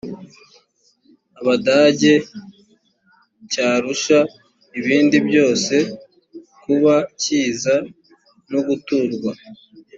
abadage cyarusha ibindi byose kuba kiza no guturwa